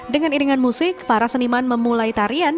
dengan iringan musik para seniman memulai tarian